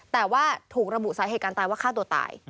แต่ว่าถูกระบุสาเหตุการตายว่าฆ่าตัวตาย